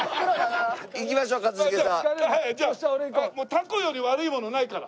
たこより悪いものないから。